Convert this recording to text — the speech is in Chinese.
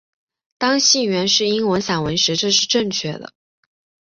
当信源是英文散文时这是正确的。